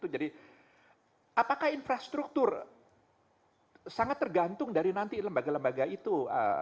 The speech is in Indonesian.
jadi apakah infrastruktur sangat tergantung dari nanti lembaga lembaga itu